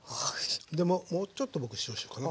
でももうちょっと僕塩しようかな。